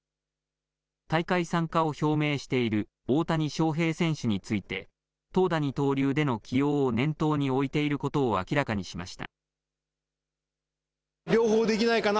大会参加を表明している大谷翔平選手について、投打二刀流での起用を念頭に置いていることを明らかにしました。